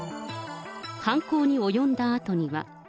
犯行に及んだあとには。